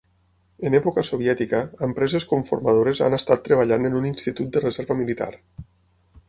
En època soviètica, empreses conformadores han estat treballant en un institut de reserva militar.